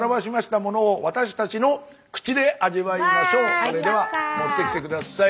それでは持ってきて下さい。